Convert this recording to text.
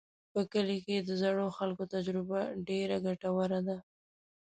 په کلي کې د زړو خلکو تجربه ډېره ګټوره ده.